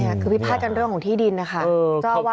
พิพาทกันเรื่องของที่ดินนะคะ